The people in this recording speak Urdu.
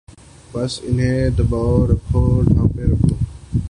بس انہیں دبائے رکھو، ڈھانپے رکھو۔